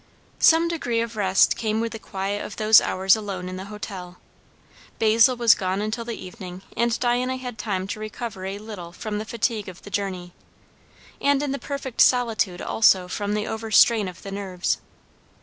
Some degree of rest came with the quiet of those hours alone in the hotel. Basil was gone until the evening, and Diana had time to recover a little from the fatigue of the journey, and in the perfect solitude also from the overstrain of the nerves.